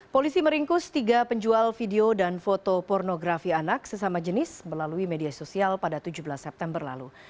polisi meringkus tiga penjual video dan foto pornografi anak sesama jenis melalui media sosial pada tujuh belas september lalu